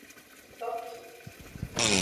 Tofi.